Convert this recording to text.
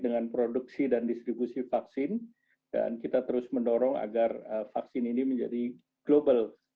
dengan produksi dan distribusi vaksin dan kita terus mendorong agar vaksin ini menjadi global